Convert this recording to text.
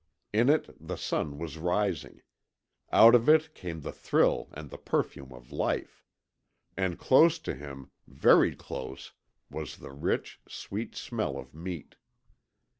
In it the sun was rising. Out of it came the thrill and the perfume of life. And close to him very close was the rich, sweet smell of meat.